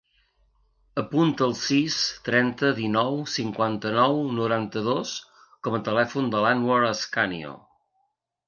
Apunta el sis, trenta, dinou, cinquanta-nou, noranta-dos com a telèfon de l'Anwar Ascanio.